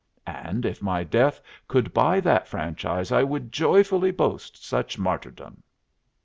And if my death could buy that franchise, I would joyfully boast such martyrdom."